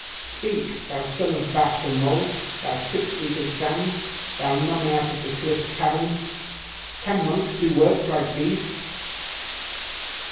Speak! Thou son of bats and moles thou six feet of sand thou mummy out of the cliff caverns! Can monks do works like these?